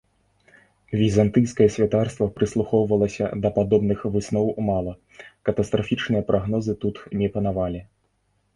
Візантыйскае святарства прыслухоўвалася да падобных высноў мала, катастрафічныя прагнозы тут не панавалі.